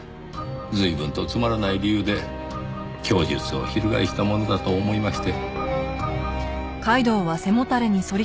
随分とつまらない理由で供述を翻したものだと思いまして。